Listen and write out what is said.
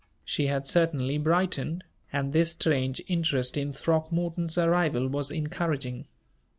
She had certainly brightened, and this strange interest in Throckmorton's arrival was encouraging.